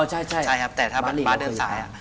อ๋อใช่ใช่ครับแต่ถ้าบาร์ดเดินสาย